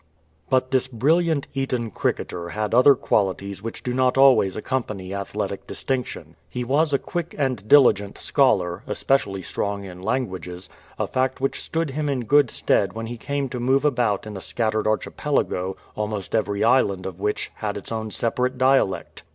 '*'' But this brilliant Eton cricketer had other qualities which do not always accompany athletic distinction. He was a quick and diligent scholar, especially strong in languages, a fact which stood him in good stead when he came to move about in a scattered archipelago, almost every island of which had its own separate dialect.